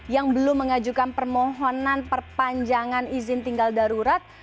yang belum mengajukan permohonan perpanjangan izin tinggal darurat